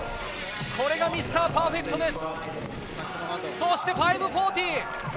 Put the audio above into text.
これがミスターパーフェクトです。